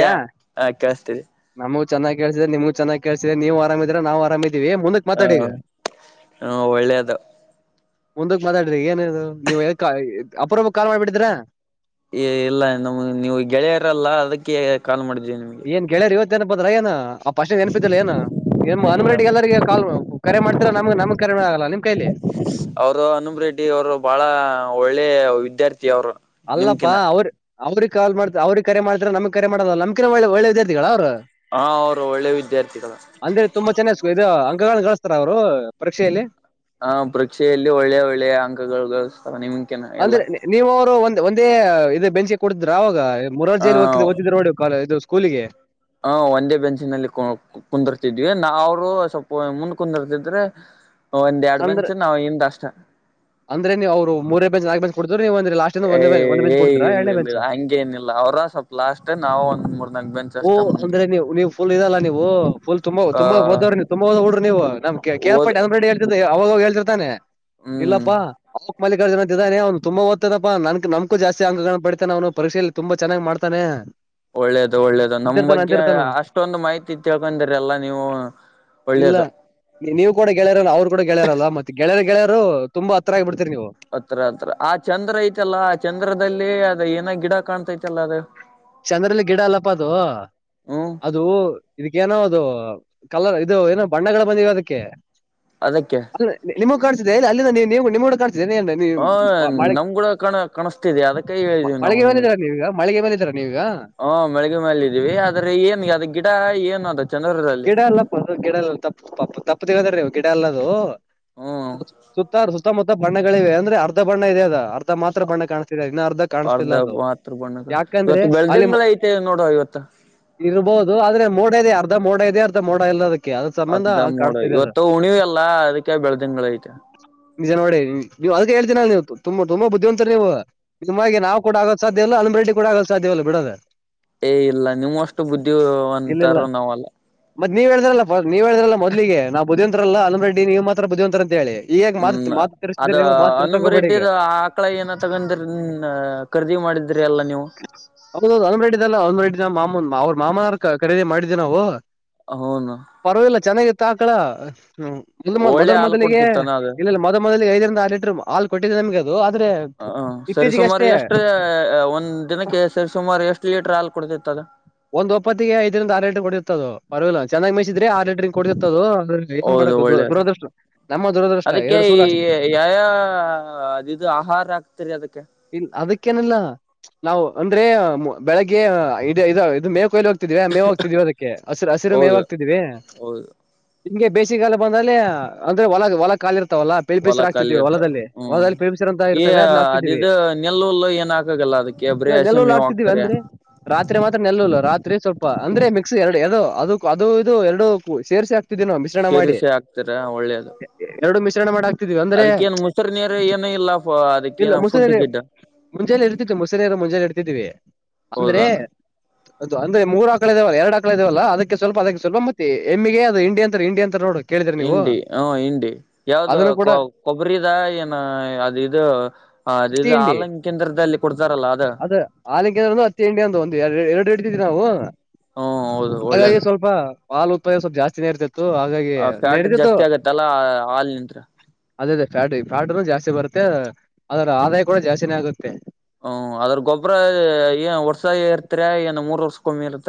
ಯ ಆ ಕೇಳಸ್ತೀರಿ ನವು ಚೆಗ ಕೇಸಿದಮವುಗ ಚನ್ನಾಗಿ ಕೇಸಿದೆ ನೀವು ಆರಾಮಿದ್ರೆ ನಾ ಆರಾಮ ಮುಂದಕ್ ಹ ಮಾತಾಡಿ ಹ ಒಳ್ಳೇದು ಮುಂದಕ್ ಮಾತಾಡ್ರಿ ಏನದು ನೀವು ಅಪರ ಕಾಲ್ ಮಾಡ್ಬಿಟ್ಟಿದೀರಾ ಏ ಇಲ್ಲ ನಮ್ ನೀವು ಗೆಳೆಯರಲ್ಲ ಅದಕ್ಕೆ ಕಾಲ್ ಮಾಡಿದ ಏನ್ ಗೇಳ್ಯರ್ ಇವತ್ತೇನಪದ್ರ ಏನ ಆ ಪಶ್ನೆ ನನಪಿದಿಲ್ಲ ಏನ ಏ ಅನುಮ ಇಲ್ಲ ರೆಡ್ಡಿ ಎಲ್ಲರಿ ಕಾ ಕರೆ ಮಾಡ್ತಿರಾ ನಮಗೆ ನಮಗೆ ಅವರು ಅನುಪ ರೆಡ್ಡಿ ಅವರು ಬಹಳ ಒಳ್ಳೆ ವಿದ್ಯಾರ್ಥಿ ಅವರು ಅಲ್ಲಪ್ಪಾ ನಿಮ್ಕಿನ ಅವ್ರ ಅವ್ರ ಕಾಲ್ ಮಾಡ್ ಅವ್ರಿಗೆ ಕರೆ ಮಾಡ್ತಾರೆ ನಮ್ ಕ ಮಾಡದಲ್ಲ ನಮ ಕರ ಒಳ್ಳೆ ವ್ಯಿಗಳ ಅವರು ಹ ಅವರು ಒಳ್ಳೆ ವಿದ್ಯಾರ್ಥಿಗಳು ಅಂದ್ರೆ ತುಂಬಾ ಚೆನ್ನ ಇ ಅಂಗಗಳಿಸತಾರೆ ಅವರು ಪರೀಕ್ಷೆಯಲ್ಲಿ ಪರೀಕ್ಷೆಯಲ್ಲಿ ಒಳ್ಳೆ ಒಳ್ಳೆ ಅಂಕಗಳು ನಿಮ್ಕಿನ ಎಲ್ಲ ನೀವು ಅವರು ಒಂದೇ ಬೆಂಚಿನಲ್ಲಿ ಕೂತಿದ್ರ ಅವಾಗ ಆ ಮುರಾರ್ಜಿ ಅಲ್ಲಿ ಒಗ್ತ ಇದ್ರೂ ನೋಡಿ ಸ್ಕೂಲ್ ಗೆ ಹ ಒಂದೇ ಬೆಂಚಿನಲ್ಲಿ ಕುಂದ್ರೀತಿದ್ವಿ ಅವರು ಮುಂದೆ ಕುಂದ್ರುತಿದ್ರು ಒಂದ್ ಎರಡು ಅಂದ್ರ ಬೆಂಚು ಇಂದೆ ಅಷ್ಟೇ ಅಂದ್ರೆ ನೀವು ಅವ್ರು ಮೂರೇ ಬೆಂಚ್ ನಾಲ್ಕು ಬೆಂಚ್ ಕೊಡ್ತಿದ್ರು ನೀವು ಅಂದ್ರೆ ಲಾಸ್ಟ್ ಇಂದ ಏ ಒಂದೇ ಬೆಂಚ್ ಒಂದೇ ಬೆಂಚ್ ಏ ಕೊಡ್ತೀರಾ ಇಲ್ಲ ಎರಡನೇ ಇಲ್ಲ ಬೆಂಚ್ ಇಲ್ಲ ಹಗೆ ಏನಿಲ್ಲ ಅವ್ರ ಸ್ವಲ್ಪ ಲಾಸ್ಟ್ ನಾವು ಮೂರು ಜನ ಓಹ ಅಂದ್ರೆ ನೀವು ನೀವುಫಲ್ ಇದಲ್ಲ ನೀವು ಫುಲ್ ತುಂಬ ಆ ತುಂಬಾ ಓದವ್ರ ನೀವು್ ತುಂಬಾಓದ್ಡ್ರಿ ನೀವು ನಮ್ ಓದ್ ಕೇಸ್ಪಟ್ಟ ಅಂದಡಿ ಹೇಳ್ತಿ ಅವಾಗ ಹೇಳ್ತಿರ್ತಾನೆ ಹ್ಮ್ ಇಲ್ಲಪ್ಪಾ ಅವ ಮಜ. ಇದಾನೆ ಅವನು ತುಂಬ ದ್ತದಪ್ಪಾ ನನ್ ನನ್ಕು ಜಾಸ್ತಿ ಅಂಕಗಳ ಪಡಿತತಾನ ಅವನು ಪರೀಕ್ಷೆಯಲ್ಲಿ ತುಂಬ ಚೆನ್ನಾಗಿ ಮಾಡ್ತಾನೆ ಒಳ್ಳೇದು ಒಳ್ಳೇದು ನಮ್ ಅಂತಿರ್ತಾನೆ ಬಗ್ಗೆ ಅಂತಿರ್ತಾನು ಅಷ್ಟೊಂದು ಮಾಹಿತಿ ತಿಳ್ಕೊಂಡಿ್ರ ಎಲ್ಲ ನೀವು ಇಲ್ಲ ಒಳ್ಳೇದು ನೀವು ಕೂಡ ಗೆಳೆಯಾರ ಅವ್ರು ಕೂಡಗೆಳೆಯಾರಲ್ಲ ಮತ್ತೆ ಗೆಳೆಯರ್ ಗೆಳೆಯರು ತುಂಬಾ ಹತ್ರ ಆಗ್ಬಿಟ್ಟು ಹತ್ರ ಹತ್ರ ಆ ಚಂದ್ರ ಐತಲ್ಲ ಆ ಚಂದ್ರದಲ್ಲಿ ಅದ ಏನ ಗಿಡ ಕಾಣ್ತೈತಲ್ಲ ಅದ ಚಂದ್ರಲ್ಲಿ ಗಿಡ ಅಲ್ಲಪ್ಪ ಅದು ಹ್ಮ್ ಅದು ಇದಕ್ಕೆೇಏನೋ ಅದು ಕಲರ್ ಇದು ಏನೋ ಬಣ್ಣಗಳು ಬಂದಿವ ಅದಕ್ಕೆ ಅದಕ್ಕೆ ಅ ನಿಮಗ್ ಕಾಣಿಸಿದೆ ಅಲ್ಲಿ ನೀವು ನಿಮ್ಮ ಕಾಣ ಜನ ಅಲ್ಲ ನೀವು ಹ ಮಳೆ ನಮ್ ಕೂಡ ಕಣ ಕಾಣಿಸ್ತಿದೆ ಅದಕ್ಕೆ ಮಳೆಗೆ ಬಂದಿದ್ದೀರಾ ನೀವೀಗ ಮಳಿಗೆ ಬಂದಿದ್ದೀರ ನೀವಗ. ಹಾ ಬೆಳಗ್ ಮೇಲೆ ಇದೀವಿ ಆದ್ರೆ ಏನ್ ಅದ ಗಿಡ ಏನು ಅದ ಚಂದೂದಲ್ಲಿ. ಗಿಡ ಅಲ್ಲಪ್ಪ ಅದು ಗಿಡ ತಪ್ಪು ತಿಳದ್ರೀವು ಗಿಡ ಅಲ್ಲದು. ಹ್ಮ್ ಸುತ್ತಮುತ್ತ ಬಣ್ಣಗಳಿವ ಅಂದ್ರೆ ಅರ್ಧ ಬಣ್ಣ ಇದೆ ಅದ ಅರ್ಧ ಮಾತ್ರ ಬಣ್ಣ ಕಾಣಿಸ್ತಿದೆ. ಇನಾರ್ಧ ಅರ್ಧ ಕಾಣಿಸ್ತಿಲ್ಲ ಅದು ಮಾತ್ರ ಬಣ್ಣದ ಯಾಕ. ಅ ಇವತ್ತು ಬೆಳ್ದಂಗಳ ಐತೆ ನೋಡ ಇವತ್ತ ಇರಬಹುದು. ಮೋಡ ಇದೆ ಅರ್ಧ ಮೋಡ ಇದೆ ಅರ್ಧ ಮೋಡ ಇಲ್ಲದಕ್ಕೆ. ಅದ ಸಂಬಂಧ ಅರ್ಧ ಮೋಡ ಕಾಡ್ತದೆ ಅದ ಇವತ್ತು ಉಣಿವ ಅಲ್ಲ ಅದಕ್ಕೆ ಬೆಳ್ದಂಗಳ ಐತೆ ನಿಜ ನೋಡಿ. ನೀವು ಅದಕ್ಕೆ ಹೇಳ್ತೀ ನೀವು ತುಂಬ ತುಂಬ ಬುದ್ಧಿವಂತರ್ ನೀವು ನಿಮ್ಮ ಹಾಗೆ ಕೂಡ ನಾವ ಆಗೋಕ್ ಸಾಧ್ಯಲ್ಲ ಅನುರೆಡ್ ಕೂಡಗ. ಸಾಧ್ಯವಿಲ್ಲ ಬಿಡದ. ಏ ಇಲ್ಲ ನಿಮ್ಮ ಅಷ್ಟು ಬುದ್ಧಿವಂತರು ನಾವಲ್ಲ. ಮತ್ತ ನೀವ್ ಹೇಳಿದ್ರಲ್ಲ ನೀವ ಹೇಳಿದ್ರಲ್ಲ ಮೊದಲೀಗೆ ನಾವು ಬುದ್ಧಿವಂತರ ಅನು ರಡ್ಡಿ ನೀವು ಮಾತ್ರ ಬುದ್ಧಿವಂತ ಅಂತ ಹೇಳಿ. ಈಗ ಮಾತ್ ಹ್ಮ್ ಮಾತ್ ಅದ ತಿರ್ಸಿದ್ರೆ ನೀವು ಮಾತ್ ತಿರ್ಸಕ್ ಹನುಮ ಹೋಗ್ಬೇಡಿ ರೆಡ್ಡಿ ಈಗ ಆ ಆಕಳ ಏನ ತಗೊಂಡರ್ ಖರೀದಿ ಮಾಡ. ಮಾಡಿದ್ರಿ ಎಲ್ಲ ನೀವು. ಅದು ಹನಮರೆಡ್ಡಿದ ಅಲ್ಲಾ ಅನು ರೆಡ್ ಮಾಮನ್ ಅವ್ರ ಮಾಮನ ಖರೀದಿ ಮಾಡಿದ್ದ್ವಿ ನಾವು. ಹೌನು ಪರವಾಗಿಲ್ಲ ಚೆನ್ನಾಗಿತ್ತ ಆಕಳ. ಹ್ಮ ಒಳ್ಳೆ ಮೊದ ಹಾಲು ಮೊದಲಿಗೆ ಕೊಡ್ತಿತ್ತಾನ ಅದು ಇ ಮೊದ ಮೊದಲಿಗೆ ಐದರಿಂದ ಆರು ಲೀಟರ್ ಹಾಲ್ ಕೊಟ್ಟಿದ್ದಿದೆ ನಮಗೆ. ಹ ಹ ಸರಿ ಸುಮಾರು ಎಷ್ಟ್ರ. ಒಂದ ದಿನಕ್ಕೆ ಸರಿ ಸುಮಾರು ಎಷ್ಟು ಲೀಟರ್ ಹಾಲ್ ಕೊಡ್ತಿತ್ತು ಅದ. ಒಂದ್ ಒಪ್ಪತ್ತಿಗೆ ಐದರಿಂದ ಆರು ಲೀಟರ್ ಕೊಡ. ಪರವಾಗಿಲ್ಲ ಚೆನ್ನಾಗಿ ಮೈಸಿದ್ರ ಆರ ಲೀಟರ್ ಕೊಡ್ತಿತ್ ಅದು ಏ ಹೌದು ಮಾಡಬೇಕ ಒಳ್ಳೇದು ದುರದೃಷ್ಟ ನಮ್ಮ ದುರದೃಷ್ಟ. ಅದಕ್ಕೆ ಎರಡು ಸೂಲ ಈ ಅಷ್ಟೇ ಯಾವ ಯಾವ ಅದ ಇದು ಆಹಾರ ಹಾಗ್ತಿರಿ ಅದಕ್ಕೆ. ಇ ಅದಕ್ಕೇನಿಲ್ಲ ನಾವು ಅಂದ್ರೆ ಬೆಳಿಗ್ಗೆ ಇ ಇದು ಮೈಯ್ಕ ಕೊಯ್ಲ್ ಹೋಗ್ತ. ಮೇವ್ ಹ್ತಿದೀವಿ ಅದಕ್ಕೆ ಹಸಿರು ಹಸಿರು ಮೇವ ಹೌದು ಹಾಗ್ತಿದ್ವಿ. ಹೌದು ನಿಂಗೆ ಬೇಸಿಗೆಗಾಲ ಬಂದಲ್ಲೆ ಅಂದ್ರೆ ಹೊಲ ಹೊಲ ಕಾಲಿರ್ತ್ತ. ಆತಲ್ಲ ಹೊಲ ಪಿಲ್ಪಿಸ್ರ ಖಾಲಿ ಹಾಕ್ತಿದೀವಿ ಇರ್ತಾವ ಹೊಲದಲ್ಲಿ ಹ್ಮ್ ಹೊಲದಲ್ಲಿ ಪಿಲ್ಪಿಸ್ರ ಅಂತ ಈ ಇರ್ತವೆ ಅದ ಹಾಕ್ತಿದೀವಿ. ಅದಿದು ನೆಲ್ಲುಲ್ಲು ಏನ್ ಹಾಕಾಗಲ್ಲ ಅದಕ್ಕೆ ಬರೀ ಇಲ್ಲ ಹಸಿ ನೆಲಲ್ಲ ಮೇವ್ ಆಗ್ತಿದೀವಿ ಹಾಕ್ತಾರೆ. ಅಂದ್ರಿ ರಾತ್ರಿ ಮಾತ್ರ. ಎಲ್ಲ ರಾತ್ರಿ ಸ್ವಲ್ಪ ಅಂದ್ರೆ ಮಿಕ್ಸ್ ಎರಡು ಎರಡು ಅದು ಅದು ಇದು ಎರಡು ಸೇರಿಸಿ ಆತ. ಮಿಶ್ರಣ ಮಾಡಿ ಶೇರಿಸೆ ಹಾಕ್ತಾರ ಒಳ್ಳೇದು ಎರಡು ಮಿಶ್ರಣ ಮಾಡಿ. ಹಾಕ್ತಿದ್ವಿ ಅಂದ್ರೆ ಅದಕ್ಕೇನ್ ಮುಸಿರು ನೀರ ಏನ ಇಲ್ಲ ಅದಕ್ಕೇನ ಫುಡ್ ಗಿಡ್. ಮುಂಜೆಲಿ ಇರ್ತಿತ್ತು ಮುಸಿನಿಯರು ಮುಂಜೆನೆ ಇಡಿದ್ವಿ ಅಂದ್ರೆ. ಹೌದಾನ ಅದು ಅಂದ್ರೆ ಮೂರು ಆಕ್ಕಳ ಇದಾವಲ್ಲ ಎರಡ್ ಆಕ್ಕಳ ಇದಾವಲ್ಲ ಅದಕ್ಕೆ ಸ್ವಲ್ಪ ಅದಕ್ಕೆ ಸ್ವಲ್ ಮೆಟಿ ಎಮ್ಮೆಗೆ ಅ ಇಂಡಿ ಅಂತ ಇಂಡಿ ಅಂತರ ನೋಡ. ಇಂಡಿ ಹ ಇಂಡಿ ಯಾವ್ದ ಅದನ್ನು ಕೂಡ ಕೊಬ್ಬರಿದ ಏನ ಅದು ಇದು. ಅದ ಹತ್ತಿ ಇದು ಹಂಡಿ ಹಾಲನ್ ಕೇಂದ್ರದಲ್ಲಿ ಕೊಡ್ತಾರಲ್ಲ ಅದ ಹಲಿಕ್ಕೆಂದ್ರ ಹತ್ತಿ ಹಂಡಿ ಅಂದು ಒಂದು ಎರಡು. ಎರಡು ಇಡ್ತವಿ ನಾವು ಹ್ಮ್ ಹೌದು ಹಾಗಾಗಿ ಒಳ್ಳೇದು ಸ್ವಲ್ಪ ಹಾಲ್ ಉತ್ಪಾದನೆ ಸ್ವಲ್ಪ ಜಾಸ್ತಿನೇ ಇರ್ತೀತ್. ಹಾಗಾಗಿ ಆ ಫ್ಯಾಟ್ ನಡೆತೆತಿತೊಗೋ ಜಾಸ್ತಿ ಆಗತ್ತಲ್ಲ ಹಾಲಿನಿಂತ್ರ ಅದೇ ಅದೇ ಫ್ಯಾಟ್ ಫ್ಯಾಟ್ ಜಾಸ್ತಿ ಬರುತ್ತ. ಮ ಅದರ ಆದಾಯ ಕೂಡ ಜಾಸ್ತಿನೇ ಆಗುತ್ತೆ. ಹ್ಮ ಅದ್ರ ಗೊಬ್ಬರ ಏನ್ ವರ್ಷ ಇರ್ತರ ಏನ್ ಮೂರ್ ವರ್ಷ.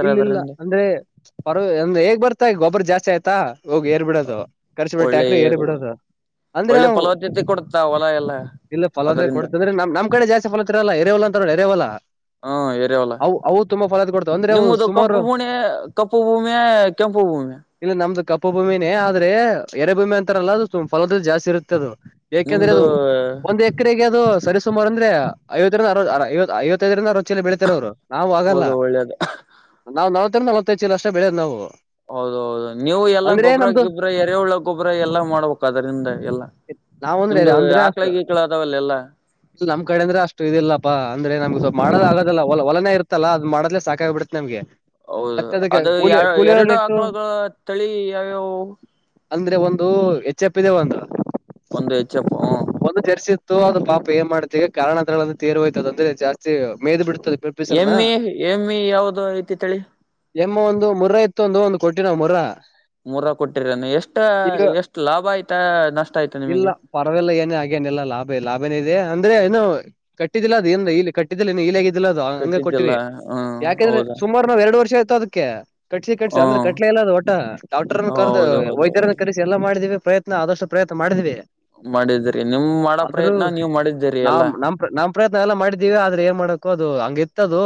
ಇಲ್ಲ ಇಲ್ಲ ಅಂದ್ರೆ ಪರ ಅಂದ್ರೆ ಹೇಗ್ ಬರ್ತಾ ಗೊಬ್ಬರ ಜಾಸ್ತಿ ಆಯ್ತಾ. ಹೋಗ್ ಏರ್ ಬಿಡೋದು ಕರಿಸಿ ಬಿಟ್ಟೆ ಒಳ್ಳೆ ಟ್ಯಾಕ್ರೆ ಏರ್ ಏರುಗಳು ಬಿಡೋದು. ಅಂದ್ರೆ ಒಳ್ಳೆ ನಾವು ಫಲವದ್ದತೆ ಕೊಡತಾ ಹೊಲ ಎಲ್ಲ. ಇಲ್ಲ ಫಲದ ಅದರಿಂದ ಕೊಡ್ತದ್ರೆ ನಮ್ಮ ಕಡೆ ಜಾಸ್ತಿಫಲ ತಿನ್ನಲ್ಲ ಎರೆ. ಎರೆ ಹೊಲ ಹ್ಮ ಎರೆ ಹೊಲ ಅವು ಅವು ತುಂಬಾ ಫಲದ ಕೊಡ್ತಾವ ಅಂದ್ರೆ ಅವು ನಿಮ್ಮದು ಕಪ್ಪು ಸುಮಾರು ಭೂಮಿ ಕಪ್ಪು ಭೂಮಿ ಕೆಂಪು ಭೂಮಿ. ಇಲ್ಲಿ ನಮ್ದು ಕಪ್ಪು ಭೂಮಿನೇ ಆದ್ರೆ ಎರೆ ಭೂಮಿ ಅಂತಾರಲ್ಲ ಅದು ಫಲದ ಜಾಸ್ತಿ. ಇರುತ್ತ ಅದು ಎಕೆಂದ್ರೆ ನಿಮ್ದು ಅದು ಒಂದ್ ಎಕರೆಗೆ ಅದು ಸರಿಸುಮಾರು ಅಂದ್ರೆ. ಐವತ್ತರಿಂದ ಐವತ್ತೈದರಿಂದ ಅರವತ್ತ ಚೀಲ ಬೆಳೀತಾರ ಅವ್ರು ನಾವು ಆಗಲ್ಲ. ಹೌದು ಒಳ್ಳೇದು ನಾವವು ನೆಲವತ್ತರಿಂದ ನೆಲ್ಪಐತ್ತದ ಚೀಲ ಅಷ್ಟೇ ಬೆಳೆದ ನಾವು. ಹೌದ ಹೌದು ನೀವು ಎಲ್ಲಾ ಅಂದ್ರೆ ಗೊಬ್ರರ ನಮ್ದು ಗಿಬ್ಬ್ರ ಎರೆ ಹುಳ ಗೊಬ್ಬ್ರ ಎಲ್ಲಾ ಮಾಡ್ಬೇಕ ಅದ್ರಂದ ಎಲ್ಲಾ. ನಾವ್ ಅಂದ್ರೆ ನಿಮ್ದು ಆಕಳ ಗೀಕಳ ಅದಾವಲ್ಲ ಎಲ್ಲಾ. ಇದು ನಮ್ಮ ಕಡೆ ಅಂದ್ರೆ ಅಷ್ಟ ಇಲ್ಲಪ್ಪಾ ಅಂದ್ರೆ ನಮಗೆ ಸ್ವಲ್ಪ ಮಾಡದಾಗಲ್ಲ ಇಲ್ಲ ಹೊಲನೆ ಇರುತ್ತಲ್ಲ ಅದು ಮಾಡತಲೆ ಸಾಕಾಗಿಬಿಡೆತ ನಮ್ಗೆ. ಹೌದು ಮತ್ತೆ ಅದಕ್ಕೆ ಅದು ಯ ಕೂಲಿ ಕೂಲಿಗಳ ಎರಡು ನೆಟ್ಟು ಆಕಳಗಳ ತಳಿ ಯಾವ್ಯಾವು. ಅಂದ್ರೆ ಒಂದು ಎಚ್ಎಫ್ ಇದೆ ಒಂದು ಒಂದು ಎಚ್ ಎಫ್ ಉತವಾದ ಪಾಪ ಏ ಮಾಡುತ್ತೀವಿ ಕಾರಣ ಅಂತರದಿಂದ ತಿರಿ ಹೋಯಿತೆ ಅದೆಂದ್ರೆ ಜಾಸ್ತಿ ಮೇದ್ ಬಿಡ್ತ ಎಮ್ಮಿ ಎಮ್ಮಿ ಯಾವ್ದ ಐತಿ ತಳಿ ಎಮ್ಮ ಒಂದು ಮುರ ಎತ್ತು ಒಂದು ಒಂದು ಕೊಟ್ಟಿವ ನಾವು ಮುರ ಮೂರ ಕೊಟ್ಟಿರಾನ ಎಷ್ಟ ಎಷ್ಟು ಲಾಭ ಆಯ್ತಾ ನಷ್ಟ ಆಯ್ತಾ ನಿಮಗೆ ಲ್ಲ ಲಾಭ ಇದೆ ಲಾಭನೇ ಇದೆ ಅಂದ್ರೆ ಏನು ಕಟ್ಟಿದ್ದಿಲ್ಲ ಅದುಲ್ಲಿ ಕಟ್ಟಿದ್ದ ಇದ ಇಲಗೇತಿ ಇಲದಿಲ್ಲ ಅದು ಹಂಗೆ ಕಟ್ಟಿದ್ದಲ್ಲ ಕೊಟ್ಟಿವವಿ ಹ ಯಾಕೆಂದ್ರೆ ಹೌದಾ ಸುಮಾರು ನಾವ್ ಎರಡು ವರ್ಷ ಆಯ್ತು ಅದಕ್ಕೆ ಕಟ್ಸಿ ಕಟ್ಸಿ ಹ ಅಂದ್ರೆ ಕಟ್ಲೆ ಇಲ್ಲ ಅದು ಒಟ ಡಾಕ್ಟರ್ನ ಕರೆದು ವೈದ್ಯರನ ಹೌದೌದೌದು ಕರೆಸಿ ಎಲ್ಲ ಮಾಡಿದಿವಿ. ಪ್ರಯತ್ನ ಆದಷ್ಟು ಪ್ರಯತ್ನ ಮಾಡಿದ್ವಿ. ಮಾಡಿದ್ರಿ ನಿಮ್ ಮಾಡೋ ಆದ್ರೂ ಪ್ರಯತ್ನ ನೀವ್ ಮಾಡಿದ್ದೀರಿ ನಾವ ಎಲ್ಲಾ ನಮ್ಮ್ ಪ್ರಯತ್ನ ಎಲ್ಲ ಮಾಡಿದ್ದೀವಿ ಆದ್ರೆ ಏನ್ ಮಾಡ್ತಿ ಕೋ ಅದು ಹಂಗ ಎತ್ತದು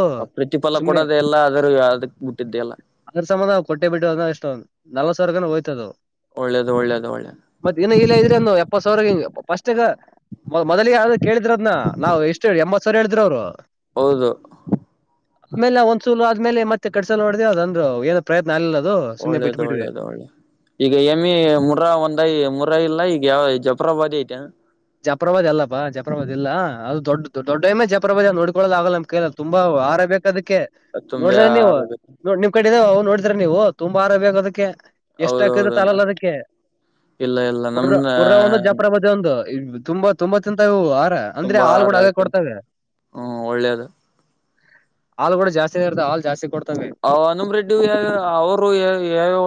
ಸುಮ್ನೆ ಆದೂ ಯಾವದಕ್ ಬ ಬಿಟ್ಟಿದೆಯಲ್ಲ ಅದ್ರ ಸಂಬಂಧ ನಾವು ಕೊಟ್ಟೆ ಬಿಟ್ಟ ಅದ ಎಷ್ಟೊ ನಲವತ್ತ್ ಸಾವಿರಕ್ಕೆ ಹೋಯ್ತ ಅದು. ಒಳ್ಳೇದು ಒಳ್ಳೇದು ಒಳ್ಳೇದು ಮತ್ತ ಏನ ಇಲ್ಲ ಇದ್ರೆ ಎಪ್ಪತ್ ಸಾವಿರ ಫಸ್ಟ್ಗ ಮ ಮೊದಲ ಯಾವ ಕೇಳಿದ್ರದ್ನ ನಾವು ಎಷ್ಟು ಎಂಬತ್ ಸಾವಿರ ಹೇಳಿದ್ರರು ಅವ್ರು ಹೌದು ಆಮೇಲೆ ಒಂದ್ಸೂಲ ಆದ್ಮೇಲೆ ಮತ್ತೆ ಕಡ್ಸಲ್ ಹೊಡ್ದೇ ಅದ ಏನ ಪ್ರಯತ್ನ ಆಗಲಿಲ್ಲ ದು ಒಳ್ಳೇದು ಒಳ್ಳೇದು ಒಳ್ಳೆದು ಈಗ ಎಮ್ಮಿಮುರ ಒಂದಐ ಮುರ ಇಲ್ಲ ಈಗ ಯಾವ ಜಫ್ರಾಬಾದಿ ಆಐಟಾ ಜಪ್ರವಾದ ಅಲ್ಲ ಬಾ ಜಪ್ರವಾದ ಇಲ್ಲ ಅದು ದೊಡ್ಡ ದೊಡ್ಡಮ್ಮೆ ಜಪ್ರದಾದ ಅ ನೋಡ್ಕೊಳ್ಳೋದ ಆಗಲ್ಲ ನಮ್ ಕೈಲ್ಲ ತುಂಬಾ ಆಹರಾ ಬೇಕ ಅದಕ್ಕೆ ತುಂಬೆ ನೋಡಿದ್ರ ನೀವು ಆರು ನಿಮ್ ಕಡೆ ಇದಾವ ನೋಡಿದ್ರ ನೀವು ತುಂಬಾ ಆಹಾರ ಬೇಕ ಅದಕ್ಕೆ ಎಷ್ಟ ಹಾಕಿದರ ಹೌದೌದು ಸಾಲಲ್ಲ ಅದಕ್ಕೆ ಇಲ್ಲ ಇಲ್ಲ ಮುರ್ರ ನಮ್ದ ಮುರ್ರ ಒಂದು ಜಪ್ರ ಬದಿ ಒಂದು ತುಂಬಾ ತುಂಬಾ ತಿಂತವ ಅವು ಅಂದ್ರೆ ತುಂಬಾ ಹಾಲು ಆರ ಕೂಡ ಅವೇ ಆಗ್ತಂತೆ ಕೊಡ್ತವೆ. ಹ್ಮ್ ಒಳ್ಳೇದು ಹಾಲ ಕೂಡ ಜಾಸ್ತಿನ ಆಗಿರತವೇ ಹಾಲ್ ಜಾಸ್ತಿ ಕೊಡ್ತ ಅವ ಅನುಮ ರೆಡ್ಡಿ ಯಾವ್ಯಾವ್ ಅವ್ರ್ ಯಾವ್ಯಾವ್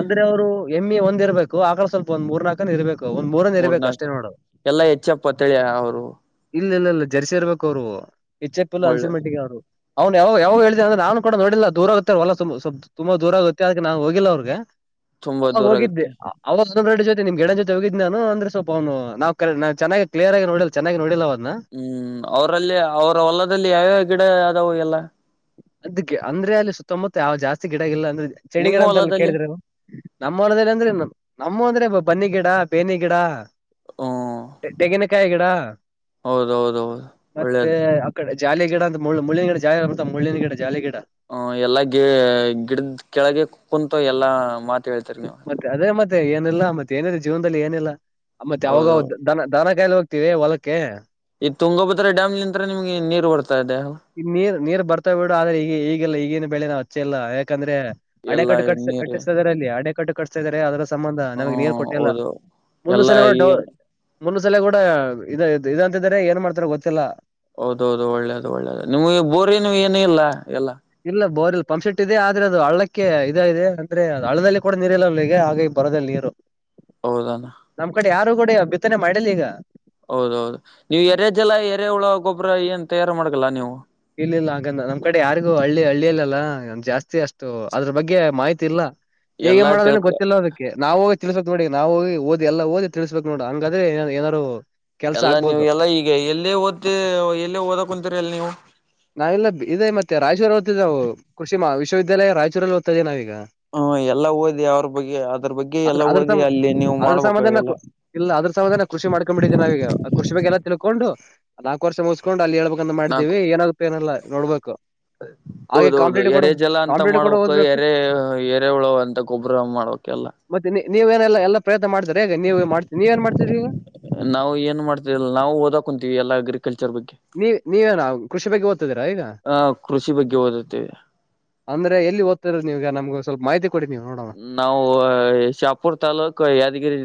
ಅಂದ್ರೆ ಅವ್ರು ಎಮ್ಮಿ ಒಂದ್ ಇರ್ಬೇಕು ಆಕಳ ಸ್ವಲ್ಪ ಒಂದ್ ಮೂರ್ ನಾಲ್ಕನ್ ಇರ್ಬೇಕು ಒಂದ್ ಮೂರನ್ ಇರ್ಬೇಕು ಅಷ್ಟೇ ಮೂರ್ನಾಲ್ಕು ನೋಡು ಎಲ್ಲಾ ಎಚ್ ಎಫ್ ತಿ ಅವರು ಇಲ್ಲ ಇಲ್ಲ ಇಲ್ಲ ಜರ್ಸಿ ಇರ್ಬೇಕು ಅವ್ರು ಎಚ್ ಎಫ್ ಇಲ್ಲ ಅನ್ಸಿ ಒಳ್ಳೆ ಮಟ್ಟಿಗೆ ಅವ್ರು ಅವ್ನ್ ಯಾವಾಗ ಯಾವಾಗ ಹೇಳಿದ ಅಂದ್ರ ನು ಕೂಡೋಡಿಲ್ಲ ದೂರ ಆಗತ್ತಾರವಲ್ಲ ತುಂಬ ದೂರ ಆಗುತ್ತೆ ಅದ ನಾ ಹೋಗಿಲ್ಲ ಅವ್ರಿಗೆ ತುಂಬಾ ಅವಾಗ ದೂರ ಹೋಗಿದ್ದೆ ಆಗುತ್ತೆ ಅವಾಗ ಡ್ ಜೊ ನಿಮ್ ಗಡ ಜೊತೆ ಹೋಗಿದ್ದ ನಾನ ಅಂದ್ರೆ ಸ್ವಪ ಅವನು ನವು ನಾ ಚನ್ನಾಗಿ ಕ್ಯ ಆಗ ನೋಲ್ಲ ಚನ್ನಾಗಿ ನೋಡಿಲ್ಲ ಅವನ್ನ ಹ್ಮ್ ಅವರಲ್ಲಿ ಅವ್ರ ಹೊಲದಲ್ಲಿ ಯಾವ್ಯಾವ ಗಿಡ ಆದವು ಎಲ್ಲ ಅದ್ಕ್ಕೆ ಅಂದ್ರೆ ಅಲ್ಲಿ ಸುತ್ತಮುತ್ತ ಯಾವ ಜಾಸ್ತಿ ಗಿಡ ಇಲ್ಲ. ನಿಮ್ಮ ಚಳಿಗಳ ಅಂತಲ್ಲ ಹೊಲದಲ್ಲಿ ಕೇಳಿದ್ರೆ ನಮ್ಮ ಮನದಲ್ಲಿ ಅಂದ್ರೆ ಅಮ್ಮ ಅಂದ್ರೆ ಬನ್ನಿ ಗಿಡ ಬೇನಿ ಗಿಡ ಹ್ಮ ತೆಗಿನಕಾಯಿ ಗಿಡ. ಹೌದೌದೌದು ಮತ್ತೆ ಒಳ್ಳೇದು ಅಕಡೆ ಜಾಲಿ ಗಿಡ ಅ ಮುಳ್ಳಿನ ಗಡ ಜಾಲ ಬ ಮುಳ್ಳಿನ ಗಿಡಾಲ ಗಿಡ ಹ್ಮ ಎಲ್ಲ ಗಿ ಗಿಡದ ಕೆಳಗೆ ಕುಂತು ಎಲ್ಲಾ ಮಾತ ಹೇಳ್ತರಿ ನೀವುಲ್ಲ ಮತ್ತೆ ಅದೇ ಮತ್ತೆ ಏನಿಲ್ಲ ಮತ್ತೆ ಏನಿಲ್ಲ ಜೀವನದಲ್ಲಿ ಏನಿಲ್ಲ ಮತ್ತೆ ಅವಾಗ ಹೌದು ದನ ದನ ಕಾಯಿಲ್ ಹೋಗ ಹಟ್ಟಿದೆ ಹೊಲಕ್ಕೆ ಈ ತುಂಗಭದ್ರ ಡ್ಯಾಮ್ ನಿಂತ ನಿಮ್ಗೆ ನೀರ್ ಬರ್ತದೆ ಈ ನೀರ್ ನೀರ್ ಬರ್ತಾ ಬಿಡು ಆದ್ರೆ ಈಗ ಈಗೆಲ್ಲ ಈಗಿನ ಬೆಳೆ ನಾವು ಹಚ್ಚೆ ಎಲ್ಲ ಯಾಕ ಯಾಕಂದ್ರೆ ಎಲ್ಲಾ ಅಣೆಕಟ್ಟು ಕಟ್ಟ ನೀರು ಕಟ್ಟಿಸತ ಇದಾರೆ ಅಲ್ಲಿ ಅಣೆಕಟ್ಟು ಕಟ್ಟಿಸತಾ ಇದಾರೆ ಅದ ಸಂಬಂಧ ನಮಗೆ ನೀರು ಹ್ಮ ಕೊಟ್ಟೆಲ್ಲ ಹೌದು ಒಂದ ಎಲ್ಲಾ ಸಲಡ ಈ ಮುಂದಸಲ ಕೂಡ ಇದ ಇದಂತಿದಾರೆ ಏನ್ ಮಾಡ್ತಾರ ಗೊತ್ತಿಲ್ಲ. ಹೌದೌಹೌದು ಒಳ್ಳೇದು ಒಳ್ಳೇದು ನಿಮ್ಗೆ ಬೋರಿನು ಏನು ಇಲ್ಲ ಎಲ್ಲ. ಪಂಪ್ಸೆಟ್ ಇದೆ ಆದ್ರೆ ಅದು ಹಳ್ಳಕ್ಕೆ ಇದ ಇದೆ ಅಂದ್ರೆ ಹಳ್ಳದಲ್ಲಿ ಕೂಡ ನೀರು ಇಲ್ಲಗೆ ಹಾಗಾಗಿ ಬರೋದದಲ್ಲಿ ನೀರು ಹೌದಾನ ನಮ್ ಕಡೆ ಯಾರು ಕೂಡ ಬಿತ್ತನೆ ಮಾಡಿಲ್ಲ ಈಗ ಹೌದೌದು ನೀವು ಎರೆ ಜಲ ಎರೆ ಹುಳ ಗೊಬ್ಬರ ಏನ್ ತಯಾರು ಮಾಡ್ಕಲ್ಲಾ ನೀವು ಇಲ್ಲಿಲ್ಲ ಹಾಗ ನಮ್ ಕಡೆ ಯಾರಿಗೂ ಹಳ್ಳಿ ಹಳ್ಳಿಯಲ್ಲಲ್ಲ ನಮ್ ಜಾಸ್ತಿ ಅಷ್ಟು ಅದ್ರ ಬಗ್ಗೆ ಮಾಹಿತಿ ಇಲ್ಲ ಹೇಗೆ ಎಲ್ಲಾ ಮಾಡೋದ್ರೆ ತಿಳ್ಕೊ ಗೊತ್ತಿಲ್ಲ ಅದಕ್ಕೆ ನಾವವುಗ ತಿಳಸ್ಬೇಕ ನೋಡಿ ನಾವುಗಿ ಓದಿ ಎ ಓದ ತಿಳಸ್ಬೇಕಕ್ ನೋಡಿ ಹಂಗಾದ್ರೆಏ ಏನಾರರು ಎಲ್ಲ ನೀವು ಎಲ್ಲಾ ಈಗ ಎಲ್ಲೇ ಓದ್ ಎಲ್ಲೇ ಓದಕ್ ಕುಂತೀರಿ ಎಲ್ಲ ನೀವು ನಾವೆಲ್ಲ ಇದೇ ವಿ ವ್ಯಾಲಯ ರಚೂರಲ್ಲಿ ಹೊತದೆ ನವು ಹ್ಮ ಎಲ್ಲ ಓದಿ ಅವ್ರ ಬಗ್ಗೆ ಅದ್ರ ಬಗ್ಗೆ ಅದ್ರ ಎಲ್ಲ ಅದ್ರ ಓದಿ ಸಂ ಅಲ್ಲಿ ನೀವು ಅದ್ರ ಸಂಬಂಧ ನಾ ಮಾಡ್ಬೇಕುಲ್ಲ ಇಲ್ಲ ಅದ್ರ ಸಮ ಕಷಿ ಮಾಡ್ಕೊಂಡಂಬಿದ್ದ ನ ಈಗ ಕೃರ್ಷಿ ಬೆಲ್ಲ ತಿಳ್ಕೊಂಡು ನಾಲ್ಕು ವರ್ಷ ಮುಗಸ್ಕೊಂಡು ಅಲ್ಲಿ ಹೇಳ್ಬೇಕ ಅಂತ ಮಾಡಿದೀವಿ ಏನಾದ ಏನಲ್ಲ ನೋಡ್ಬೇಕು ಹ ಹಾಗೆ ಹೌದ ಹೌದು ಕಾಂಪಿಟೇಟಿವ್ ಕೂಡ ಎರೆ ಜಲ ಅಂತ ಕಾಂಪಿಟೇಟಿವ್ ಕೂಡ ಮಾಡ್ಬೇಕಕ್ ಓದ್ಬೇಕು ಎರೆ ಎರೆ ಉಳ ಅಂತ ಗೊಬ್ಬರ ಮಾಡ್ಬೇಕಕ್ ಎಲ್ಲ ಮತ್ತೆ ನೀವೇಏನೆಲ್ಲ ಈಗ ನಾವು ಏನ್ ಮಾಡ್ತವಿಲ್ಲ ನಾವು ಓದ ಕುಂತೀವಿ ಎಲ್ಲಾ ಅಗ್ರಿಕಲ್ಚರ್ ಬಗ್ಗೆ ನೀವು ನೀವೇ ನ ಕೃಷ ಬಗ್ ದ್ ಗ ಆ ಕೃಷಿ ಬಗ್ಗೆ ಓದುತ್ತೇವೆ ಅಂದ್ರೆ ಎಲ್ಲಿ ಓದ್ತರ ನೀಗ ನಮ್ಗ ನಾವು ಶಾಪುರ್ ತಲ್ಲೂಕು ಯಾದಗಿರಿ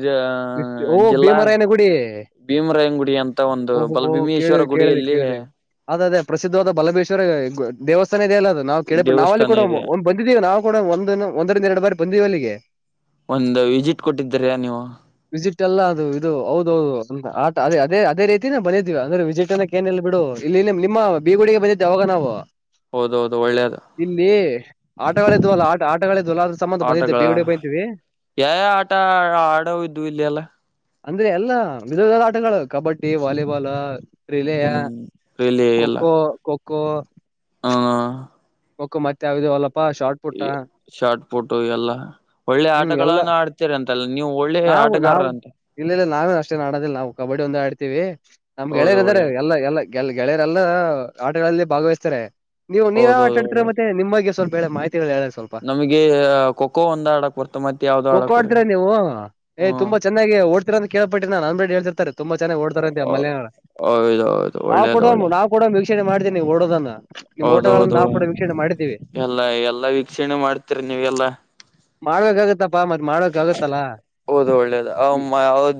ಎಷ್ಟ್- ಓ ಜಿಲ್ಲಾ ಭೀಮರಾಯನ ಗುಡಿ ಭೀಮರಾಯಂಗುಡಿ ಅಂತ ಒಂದು ಓಹೋ ಬಲ ಭೀಮೇಶ್ವರ ಕೇಳಿದೆ ಗುಡಿ ಕೇಳಿದೆ ಕೇಳಿದೆ ಅದ ಅದೇ ಪ್ರಸಿದ್ಧವಾದ ಬಲಭೇಶ್ವರ ದೇವಸ್ಥಾನ ದೆ ಅಲ್ಲ ಅದು ನಾವು ಕೇಳಳ್ಬಿ ನಾವ ಅಲ್ಲಿ ದೇವಸ್ಥಾನ ಕೂಡ ಇದೆ ಒಂದ್ ಬಂದಿದೀವಿ ನಾವು ಕೂಡ ಒಂದ ಒಂದರಿಂದ ಎರಡು ಬಾರಿ ಬಂದೀವಿ ಅಲ್ಲಿಗೆ ಒಂದು ವಿಸಿಟ್ ಕೊಟ್ಟಿದ್ದೀರಯ ನೀವು ವಿಜಿಟ್ ಅಲ್ಲ ಅದು ಇದು ಹೌದೌದುಟೇ ಅದೇ ಅದೇ ರೀತಿನ ಬಿದೀವಿ ಅಂದ್ರೆ ವಿಜಿಟ ನೆಲ್ಲ ಬಿಡು ಇಲ್ಲಿ ನಿ ನಿಮ್ಮ ಬೀಗುಡಿಗೆ ಬಂದತ್ತೆ ಅವಾಗ ನಾವು ಹೌದ ಹೌದು ಒಳ್ಳೇದು ಇಲ್ಲಿ ಆಟಗಳಿದ್ದು ಅಲ್ಲ ಆ ಆಟಗಳಿದ್ದು ಅಲ್ಲ ಆದ ಸಂಬಂಧ ಬಂದಿದ್ದೆ ಆಟಗಳ ಬೇಗಡೆ ಬಯಂತೀವಿ ಆಟ ಆಡೋು ಇಲ್ಲಿ ಎಲ್ಲ ಅಂದ್ರೆ ಎಲ್ಲಾ ವಿಧ ವಿಧ ಆಟಗಳು ಕಬಡ್ಡಿ ವಾಲಿಬಾಲ್ ರಿಲೆಯ ಹ್ಮ್ ರಿಲಿ ಎಲ್ಲ ಕೊಖೋಖೋ ಕೊಖೋಖೋ ಹ ಮಕ್ಕ ಮತ್ತೆ ಯಾವ್ದವಲ್ಲಪ್ಪ ಶಾರ್ಟ್ ಪುಟ್ಟ ಟು ಎಲ್ಲಾ ಒಳ್ಳೆ ಹ್ಮ್ ಎಲ್ಲ ಆಟಗಳನ್ನು ಆಡ್ತಾರೆ ಅಂತ ಒಳ್ಳೆ ನಾವು ಆಟಗಾರರ ನಾವು ಅಂತೆ ಇಲ್ಲ ಇಲ್ಲ ನಾವೇ ಅಷ್ಟೇನ್ ಆಡೋದಿಲ್ಲ ನಾವು ಕಬಡ್ಡಿ ಒಂದ ಆಡ್ತೀವಿ ಹೌದು ನಮ್ಗೆಳೆಯರ್ರೆ ಒಳ್ಳೆ ಎಲ್ಲಾ ಎಲ್ಲ ಗೆಲ್ ಗೆಳೆಯರೆಲ್ಲ ಆಟಗಳಲ್ಲಿ ಭಾಗವಹಿಸ್ತಾರೆ ನೀವು ನೀ ಆಟ ಹೌದೌದು ಆಡ್ತಾರೆ ಮತ್ತೆ ನಿಮ್ಮಗ್ಗೆ ಸ್ವಲ್ಪ ಹೇಳ ಮಾಹಿತಿಗಳು ಹೇಳ ಸ್ವಲ್ಪ ನಮ್ಗೆ ಖೋಖೋ ಒಂದ್ ಆಡಕ್ ಬರ್ತ ಮತ್ತೆ ಯಾವ್ದೋ ಆಡಕ್ರ್ ಏಬಾ ಚನ್ನಾಗಿ ಓಡ್ತಿ ಅಂತ ಕೇಳ್ಟ್ಟಿ ನನ್ಂದ್ಡ್ ಹೇತಿರ್ತಾರೆ ತುಂಬಾ ಚೆಾಗ್ ಓಡ್ತಾರ ಅಂತೆ ಮಲ್ಯ ಹೌದೌದು ನಾವು ಕೊಡ ಒಳ್ಳೇದು ಒಳ್ಳೇದು ನಾ್ ಕೊಡ ವೀಕ್ಷಣೆ ಮಾಡ್ತೇ ನೀವು ಓಡೋದನ್ನ ನಿಮ್ ಓಟಗಳನ್ನ ಹೌದೌದು ನಾವು ಕೂಡ ವೀಕ್ಷಣೆ ಮಾಡಿದ್ದೀವಿ ಎಲ್ಲಾ ಎಲ್ಲಾ ವೀಕ್ಷಣೆ ಮಾಡ್ತೀರಿ ನೀವ ಎಲ್ಲಾ ಮಾಡ್ಬೇಕಾಗತ್ತಪ್ಪಾ ಮತ್ತ್ ಮಾಡ್ಬೇಕಾಗತ್ತಲ್ಲಾ ಹೌದು ಒಳ್ಳೇದು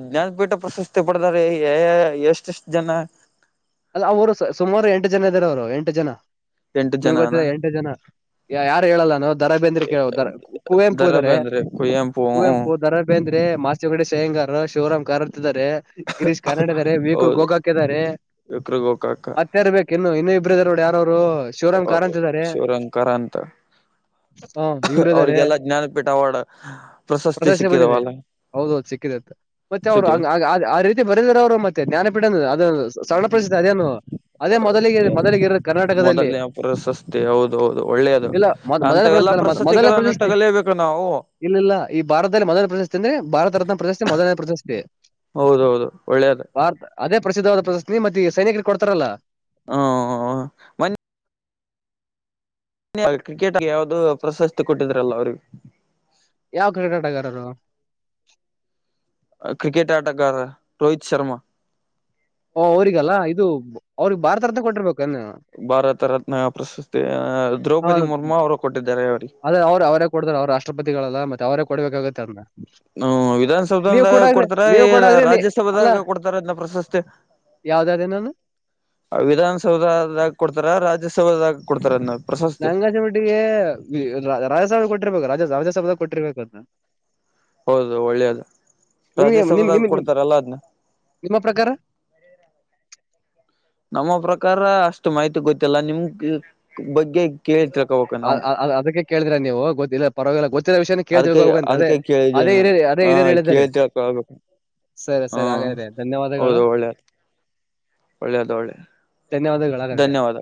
ಜ್ಞಾನಪೀಠ ಪ್ರಶಸ್ತಿ ಪಡ ಅರೆ ಎಷ್ಟ ಎಷ್ಟು ಜನ ಅಲ್ಲ ಅವರು ಸುಮಾರು ಎಂಟು ಜನ ಇದ್ದಾರೆ ಅವರು ಎಂಟು ಜನ ಎಂಟು ನಿಮ್ ಜನನ ಗೊತ್ತಿದ ಎಂಟು ಜನ ಯಾರು ಹೇಳಲ್ಲ ನೋ ದರ ಬಂದ್ರಿ ಕೇಳ ದರ ಕುವೆಂಪ ದರ ಹೋದರೆ ಬೇಂದ್ರೆ ಕುವೆಂಪು ಹ್ಮ್ ಕೂುವೆಂಪು ದರಬೇ ಅಂದ್ರೆ ಮಾಸಗಡೆ ಶೇಂಗ ಶಿವರಾಮ್ ಕಾರತ್ ಇದ್ದಾರೆ ಕಿರೀಶ್ ಕಾರ್ಡ್ ಇದ್ದಾರೆ ವಿಕುಲ್ ಹೌದು ಗೊೋಗಾಕ್ ಇದ್ದಾರೆ ವಿಕ್ರ ಗೋಕಾಕ ಮತ್ತೆಾರ ಬೇಕು ಇನ್ನು ಇನ್ನುೂ ಇಬ್ಬರು ಇದರ ನೋಡಿ ಯಾರವ್ರು ಶಿವರಾಮ್ ಅವ ಕಾರಂತ್ ಇದಾರೆ ಶಿವರಂಕಾರಂತ ಹ ಇವ್ರ ಇದಾರೆ ಅವ್ರಿಗೆಲ್ಲ ಜ್ಞಾನಪೀಠ ಅವಾರ್ಡ್ ಪ್ರಶಸ್ತಿ ಸಿಕ್ಕಿದವಲ್ಲ ಹೌದೌದು ಸಿಕ್ಕಿದೆ ಅಂತ ಮತ್ತೆ ಅವ್ರು ಸಿಕ್ಕಿ ಆ ರೀತಿ ಬರದ್ರ ಅವರು ಮತ್ತೆ ಜ್ಞಾನಪೀಠ ಅದ ಸಣ ಅದೇನು ಅದೇ ಮೊದಲಿಗೆ ಮೊದಲಿಗೆ ಇರ ಕರ್ನಾಟಕದಲ್ಲಿ ಮೊದಲನೇ ಪ್ರಶಸ್ತಿ ಹೌದು ಹೌದು ಒಳ್ಳೆಯದು ಇಲ್ಲ ಮೊದ್ ಮೊದಲ ಅಂತಾಗಲ್ಲ ಎಲ್ಲ ಪ್ರಶಸ್ತಿ ಪ್ರಸತಿಗಳನ್ನ ತಗಲೇಬೇಕು ನಾವು ಇಲ್ಲ ಇಲ್ಲ ಈ ಭಾರತದಲ್ಲಿ ಮೊದಲನ ಪ್ರಶಸ್ತಿ ಅಂದ್ರೆ ಭಾರತ ರತ್ನ ಪ್ರಶಸ್ತಿ ಮೊದಲನ ಪ್ರಶಸ್ತಿ ಹೌದೌದು ಒಳ್ಳೇದ ಭಾರತ ಅದೇ ಪ್ರಸಿದ್ಧವಾದ ಪ್ರಶಸ್ತಿ ಮತ್ತ ಈ ಸೈನಿಕರಿಗೆ ಕೊಡ್ತಾರಲ್ಲ ಹ್ಮ ಒನ್ನ ಕ್ರಿಕೆಟ್ಗ ಯಾವವುದೂ ಪ್ರಶಸ್ತಿ ಕೊಟ್ಟಿದ್ರಲ್ಲ ಅವ್ರಿಗೆ ಯಾವ ಕ್ರಿಕೆಟಗಾರರು ಕ್ರಿಕೆಟ್ ಆಟಗಾರ ರೋಹಿತ್ ಶರ್ಮಾ ಹ ಅವ್ರಗಲ್ಲಾ ಇದು ಅವ್ರಿಗೆ ಭಾರತರ್ಂತ ಕೊಟ್ಟಿರ್ಬೇಕು ಭಾರತ ರತ್ನ ಪ್ರಶಸ್ತಿ ದ್ರೌಪದಿ ಮುರ್ಮು ಅವರು ಕೊಟ್ಟಿದ್ದಾರೆ ಅವ್ರಿಗೆ ಆದದ್ರ ಅವರು ಅವ್ರೇ ಕೊಡತಾರ ಅವ್ರ ರಾಷ್ಟ್ರಪತಿಗಳಲ್ಲ ಮತ್ತೆ ಅವ್ರೇ ಕೊಡ್ಬೇಕಾಗತ್ತೆ ಅದ ಹ್ಮ ವಿಧಾನಸಭದಂದಾಗ ಕೊಡ್ತಾರ ನೀವು ಕೊಡಾಗ್ರಿ ನೀ ರಾಜ್ಯಸಭದಾಗ ಕೊಡ್ತಾರ ಅದನ್ನ ಪ್ರಶಸ್ತಿ ಯಾವ್ದಾದ್ರೇನ ವಿಧಾನಸೌಧದಾಗ ಕೊಡ್ತಾರ ರಾಜ್ಯಸೌದಾಗ ಕೊಡ್ತಾರನ್ನ ನಂಗಾಜಮಟ್ಟಿಗೆ ರಾಜ್ಯಸಭ ಕೊಟ್ಟಿರ್ಬೇಕು ರಾಜ ರಾಜ್ಯಸಭ ಕೊಟ್ಟಿರ್ಬೇಕದ ಹೌದು ಒಳ್ಳೇದು ನಿಮ್ಗೆ ನಿಮ್ ರಾಜ್ಯಸಭದಾಗ ನಿಮ್ ಕೊಡ್ತಾರಲ್ಲ ಅದ್ನ್ನ ನಿಮ್ಮ ಪ್ರಕಾರ ನಮ್ಮ ಪ್ರಕಾರ ಅಷ್ಟು ಮಾಹಿತಿ ಗೊತ್ತಿಲ್ಲ ನಿಮ್ಗೆ ಬಗ್ಗೆ ಕೇಳ್ತ ಅ ಅದಕ್ಕೆ ಕೇಳಿದಿರಾ ನೀವು ಗೊತ್ತ ಪರವಾಗಿಲ್ಲ ಗೊತ್ತ ವಿಷಯ ಅದಕ ಕೇಳ್ತಿಳ್ಕ ಹೋಗಂತ ಅದೇ ಅದಕ್ಕೆ ಅದೇ ಕೇಳಿದ್ದೇನೆ ರಿಯ ಅ ದೇ ಹ ಏರಿಯಲ್ಲಿ ಹೇಳಿದ್ದಾರೆ ಕೇಳಿ ತಿಳ್ಕೊಬೇಕು ಸರಿ ಹಾ ಸರಿ ಹಾಗ್ರೆ ಧನ್ಯವಾದಗಳು ಒಳ್ಳೆದು ಒಳ್ಳೆ ಧನ್ಯವಾದಗಳು ಹಾಗಾದ್ರೆ ಧನ್ಯವಾದ